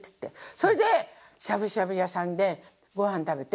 それでしゃぶしゃぶ屋さんでごはん食べて。